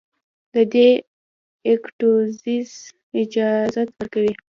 د دې ايکټويټيز اجازت ورکوي